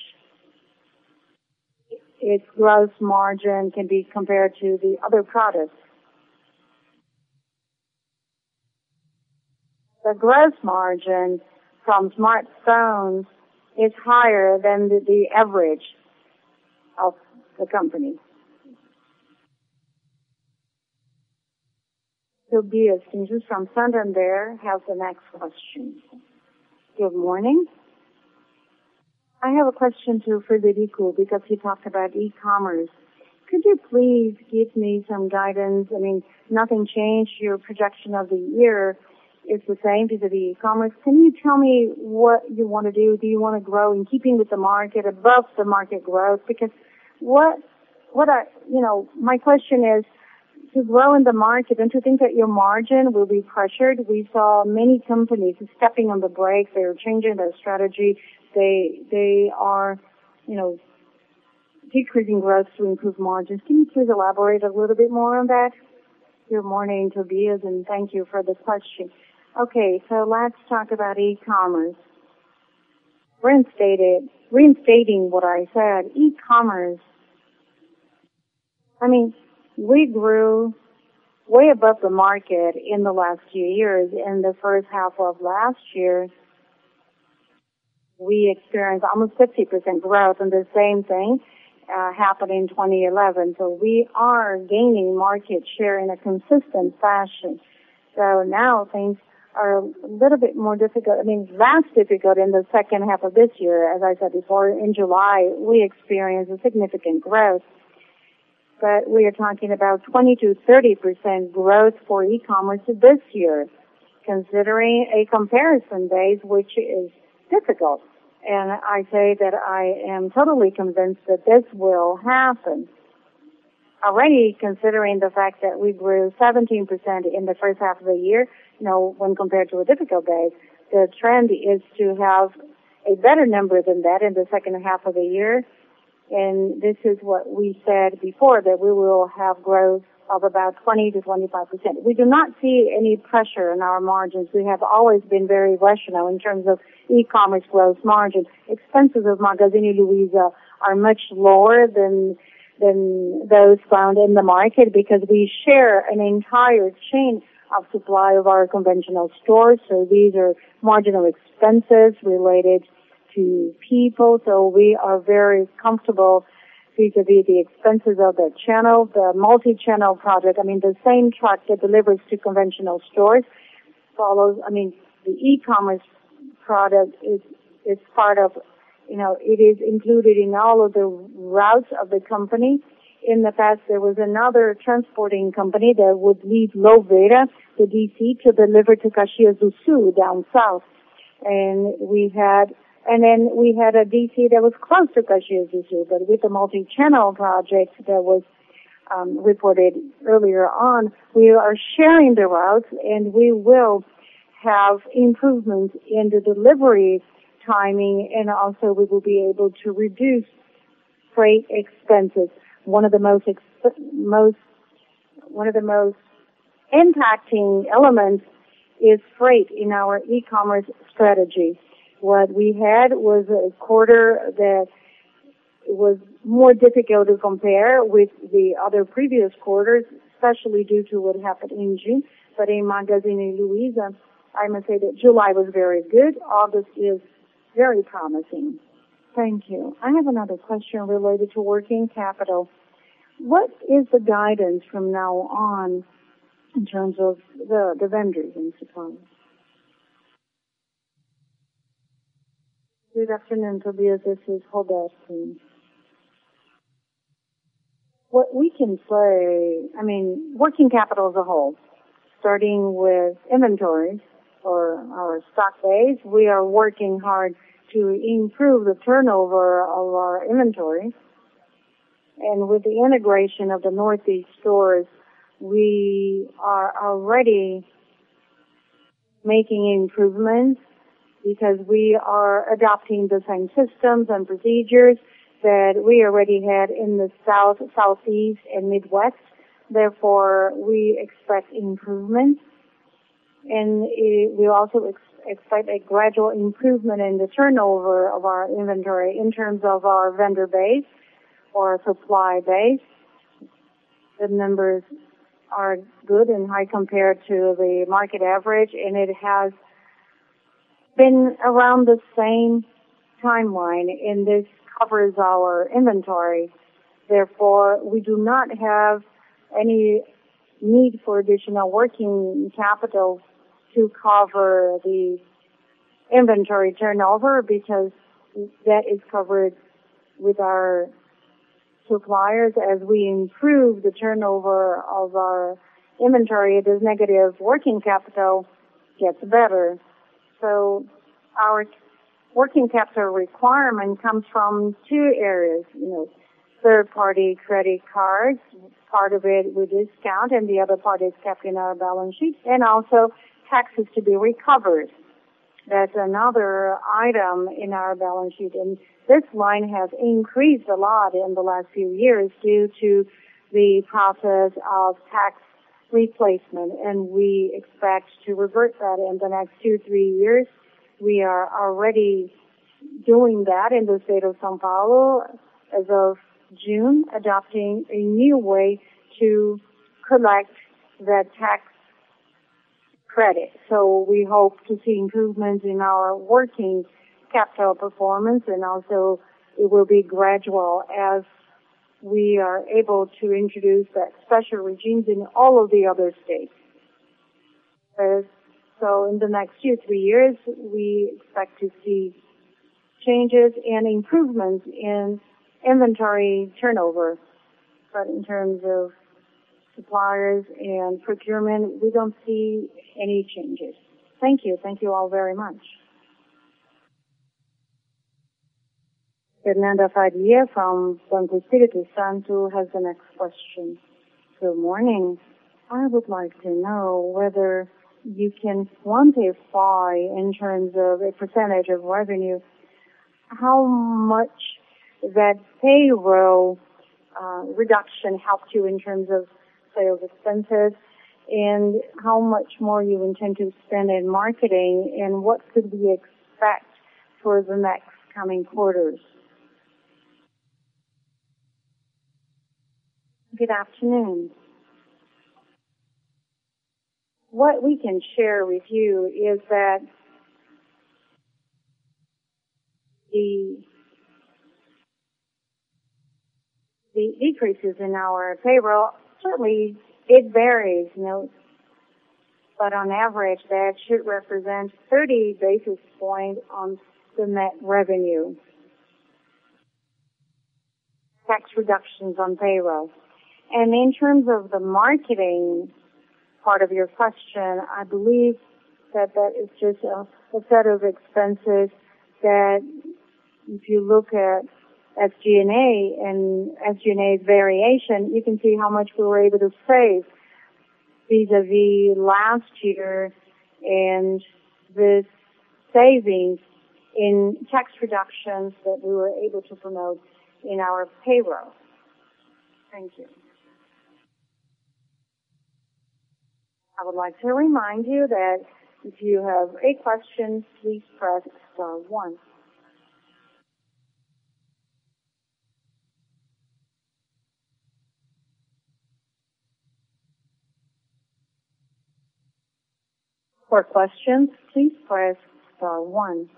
its gross margin can be compared to the other products. The gross margin from smartphones is higher than the average of the company. Tobias from Santander has the next question. Good morning. I have a question to Frederico because he talked about e-commerce. Could you please give me some guidance? I mean, nothing changed your projection of the year. It's the same because of the e-commerce. Can you tell me what you want to do? Do you want to grow in keeping with the market, above the market growth? My question is, to grow in the market and to think that your margin will be pressured, we saw many companies stepping on the brakes. They are changing their strategy. They are decreasing growth to improve margins. Can you please elaborate a little bit more on that? Good morning, Tobias, thank you for this question. Let's talk about e-commerce. Reinstating what I said, e-commerce, I mean, we grew way above the market in the last few years. In the first half of last year, we experienced almost 50% growth, the same thing happened in 2011. We are gaining market share in a consistent fashion. Now things are a little bit more difficult. I mean very difficult in the second half of this year. As I said before, in July, we experienced a significant growth, we are talking about 20%-30% growth for e-commerce this year, considering a comparison base, which is difficult. I say that I am totally convinced that this will happen. Already considering the fact that we grew 17% in the first half of the year, when compared to a difficult base, the trend is to have a better number than that in the second half of the year. This is what we said before, that we will have growth of about 20%-25%. We do not see any pressure in our margins. We have always been very rational in terms of e-commerce growth margins. Expenses of Magazine Luiza are much lower than those found in the market because we share an entire chain of supply of our conventional stores. These are marginal expenses related to people. We are very comfortable vis-à-vis the expenses of the channel. The multi-channel project, the same truck that delivers to conventional stores follows. The e-commerce product is included in all of the routes of the company. In the past, there was another transporting company that would leave Nova Iguaçu, the DC, to deliver to Caxias do Sul down south. We had a DC that was close to Caxias do Sul. With the multi-channel project that was reported earlier on, we are sharing the routes, and we will have improvement in the delivery timing, also we will be able to reduce freight expenses. One of the most impacting elements is freight in our e-commerce strategy. What we had was a quarter that was more difficult to compare with the other previous quarters, especially due to what happened in June. In Magazine Luiza, I must say that July was very good. August is very promising. Thank you. I have another question related to working capital. What is the guidance from now on in terms of the vendors in Cencosud? Good afternoon, Tobias. This is Roberto speaking. What we can say, working capital as a whole, starting with inventory for our stock base, we are working hard to improve the turnover of our inventory. With the integration of the Northeast stores, we are already making improvements because we are adopting the same systems and procedures that we already had in the South, Southeast, and Midwest. We expect improvements, we also expect a gradual improvement in the turnover of our inventory in terms of our vendor base or supply base. The numbers are good and high compared to the market average, it has been around the same timeline, this covers our inventory. We do not have any need for additional working capital to cover the inventory turnover, because that is covered with our suppliers. As we improve the turnover of our inventory, the negative working capital gets better. Our working capital requirement comes from two areas. Third-party credit cards, part of it we discount, the other part is kept in our balance sheet, also taxes to be recovered. That's another item in our balance sheet, this line has increased a lot in the last few years due to the process of tax replacement, we expect to revert that in the next two, three years. We are already doing that in the state of São Paulo as of June, adopting a new way to collect the tax credit. We hope to see improvement in our working capital performance, also it will be gradual as we are able to introduce that special regimes in all of the other states. In the next two, three years, we expect to see changes and improvements in inventory turnover. In terms of suppliers and procurement, we don't see any changes. Thank you. Thank you all very much. Fernanda Faria from Santander has the next question. Good morning. I would like to know whether you can quantify, in terms of a percentage of revenue, how much that payroll reduction helped you in terms of sales expenses, and how much more you intend to spend in marketing, and what could we expect for the next coming quarters? Good afternoon. What we can share with you is that the decreases in our payroll, certainly it varies. On average, that should represent 30 basis points on the net revenue. Tax reductions on payroll. In terms of the marketing part of your question, I believe that that is just a set of expenses that if you look at SG&A and SG&A's variation, you can see how much we were able to save vis-à-vis last year, the savings in tax reductions that we were able to promote in our payroll. Thank you. I would like to remind you that if you have a question, please press star one. For questions, please press star one.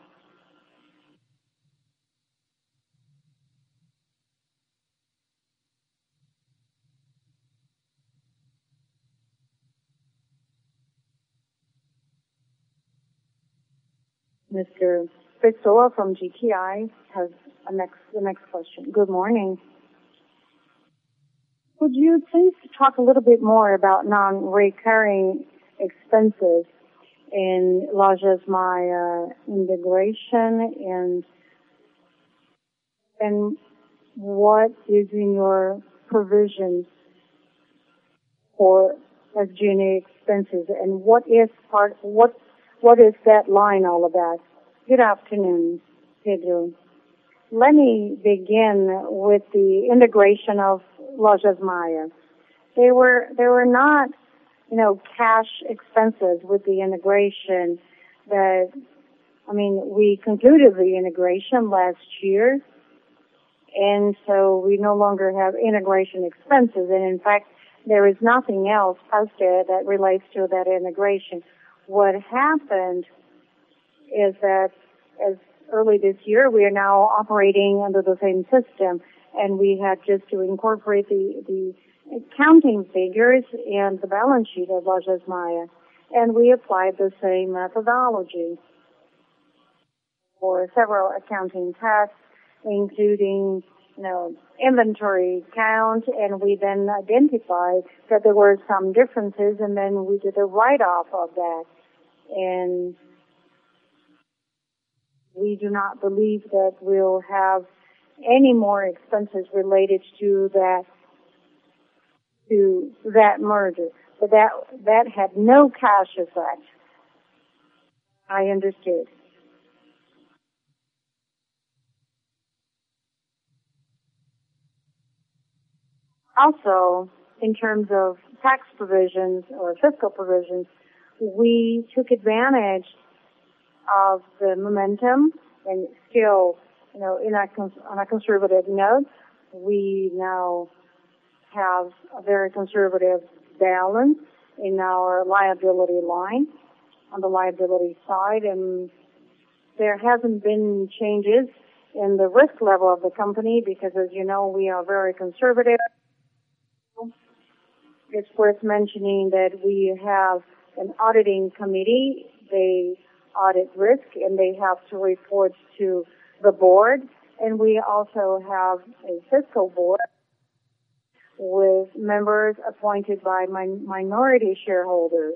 Mr. Fritzo from GTI has the next question. Good morning. Would you please talk a little bit more about non-recurring expenses in Lojas Maia integration, what is in your provisions for extraordinary expenses, and what is that line all about? Good afternoon, Fritzo. Let me begin with the integration of Lojas Maia. There were not cash expenses with the integration. We concluded the integration last year, we no longer have integration expenses. In fact, there is nothing else posted that relates to that integration. What happened is that, as early this year, we are now operating under the same system, we had just to incorporate the accounting figures and the balance sheet of Lojas Maia. We applied the same methodology for several accounting tasks, including inventory count, we then identified that there were some differences, we did a write-off of that. We do not believe that we'll have any more expenses related to that merger. That had no cash effect. I understood. In terms of tax provisions or fiscal provisions, we took advantage of the momentum, on a conservative note, we now have a very conservative balance in our liability line, on the liability side. There haven't been changes in the risk level of the company because, as you know, we are very conservative. It's worth mentioning that we have an auditing committee. They audit risk, they have to report to the board. We also have a fiscal board with members appointed by minority shareholders.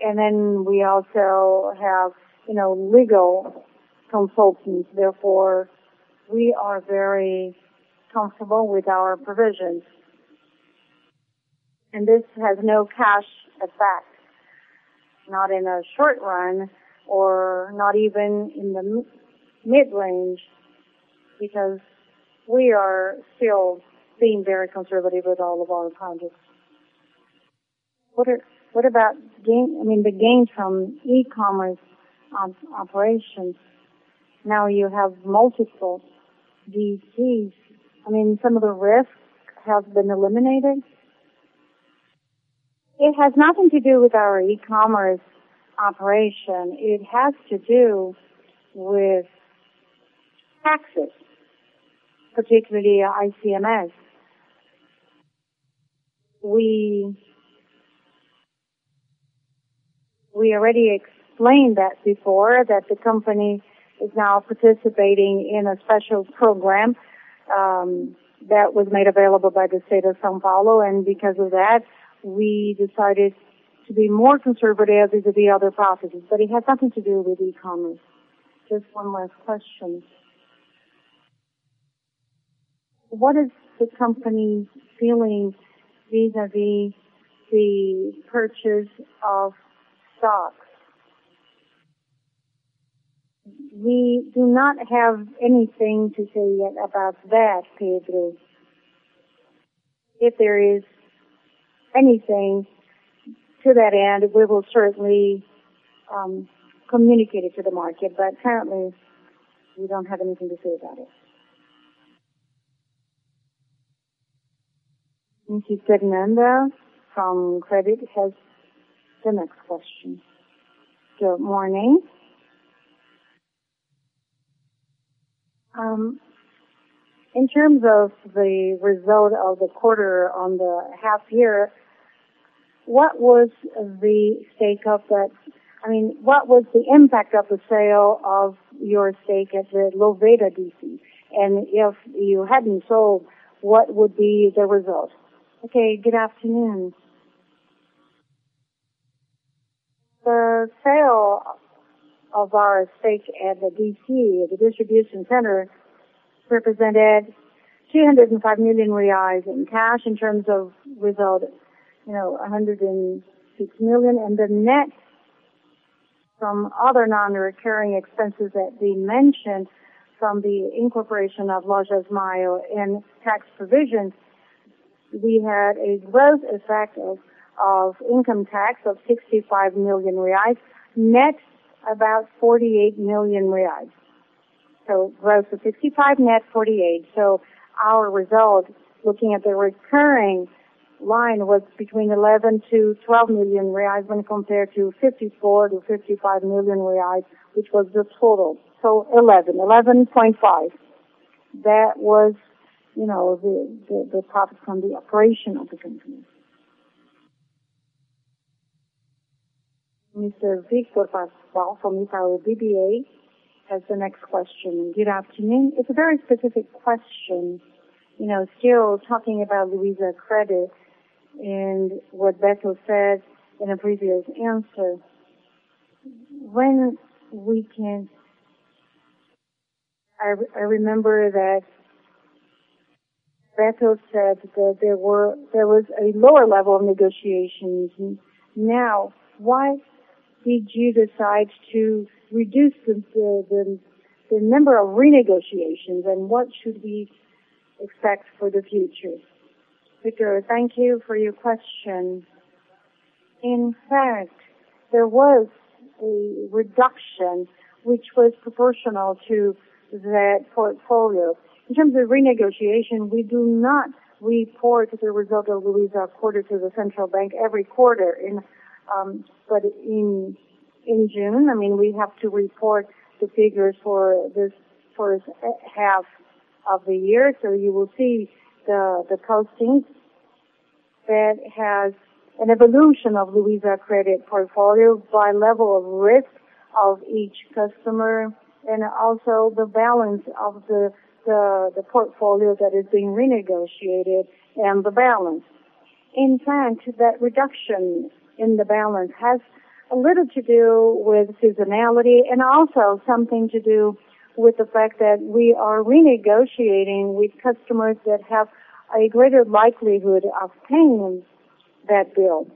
We also have legal consultants, therefore, we are very comfortable with our provisions. This has no cash effect, not in the short run or not even in the mid-range, because we are still being very conservative with all of our projects. What about the gains from e-commerce operations? Now you have multiple DCs. Some of the risk has been eliminated? It has nothing to do with our e-commerce operation. It has to do with taxes, particularly ICMS. We already explained that before, the company is now participating in a special program that was made available by the state of São Paulo. Because of that, we decided to be more conservative with the other processes. It had nothing to do with e-commerce. Just one last question. What is the company's feelings vis-à-vis the purchase of stocks? We do not have anything to say yet about that, Pedro. If there is anything to that end, we will certainly communicate it to the market. Currently, we don't have anything to say about it. Thank you. Fernanda from Santander has the next question. Good morning. In terms of the result of the quarter on the half year, what was the impact of the sale of your stake at the Louveira DC? If you hadn't sold, what would be the result? Okay. Good afternoon. The sale of our stake at the DC, the distribution center, represented 205 million reais in cash. In terms of result, 106 million. The net From other non-recurring expenses that we mentioned from the incorporation of Lojas Maia and tax provisions, we had a gross effect of income tax of 55 million reais, net about 48 million reais. Gross of 55, net 48. Our result, looking at the recurring line, was between 11 million to 12 million reais when compared to 54 million to 55 million reais, which was the total. 11.5 million. That was the profit from the operation of the company. Mr. Victor Paschoal from BBVA has the next question. Good afternoon. It's a very specific question. Still talking about LuizaCred and what Roberto said in a previous answer. I remember that Roberto said that there was a lower level of negotiations. Why did you decide to reduce the number of renegotiations, and what should we expect for the future? Victor, thank you for your question. In fact, there was a reduction, which was proportional to that portfolio. In terms of renegotiation, we do not report the result of LuizaCred to the Central Bank every quarter. In June, we have to report the figures for this first half of the year. You will see the costing that has an evolution of LuizaCred portfolio by level of risk of each customer and also the balance of the portfolio that is being renegotiated and the balance. In fact, that reduction in the balance has a little to do with seasonality and also something to do with the fact that we are renegotiating with customers that have a greater likelihood of paying that bill.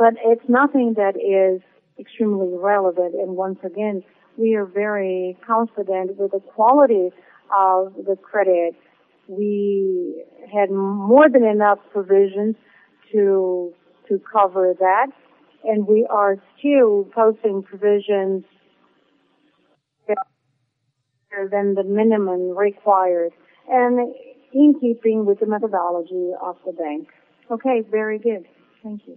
It's nothing that is extremely relevant. Once again, we are very confident with the quality of the credit. We had more than enough provisions to cover that, and we are still posting provisions that are higher than the minimum required and in keeping with the methodology of the bank. Okay, very good. Thank you.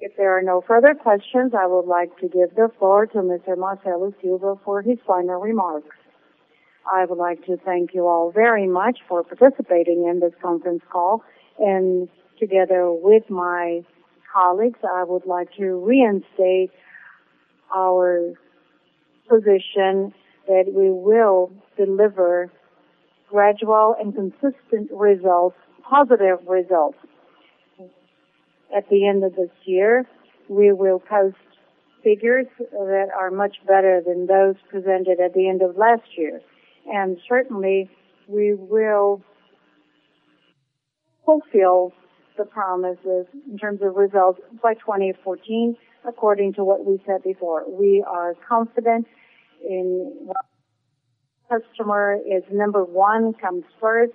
If there are no further questions, I would like to give the floor to Mr. Marcelo Silva for his final remarks. I would like to thank you all very much for participating in this conference call. Together with my colleagues, I would like to reinstate our position that we will deliver gradual and consistent results, positive results. At the end of this year, we will post figures that are much better than those presented at the end of last year. Certainly, we will fulfill the promises in terms of results by 2014 according to what we said before. We are confident in customer is number one, comes first,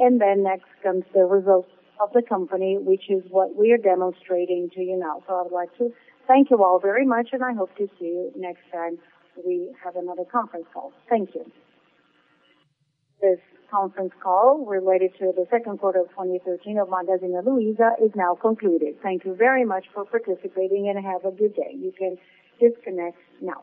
next comes the results of the company, which is what we are demonstrating to you now. I would like to thank you all very much, and I hope to see you next time we have another conference call. Thank you. This conference call related to the second quarter of 2013 of Magazine Luiza is now concluded. Thank you very much for participating, and have a good day. You can disconnect now.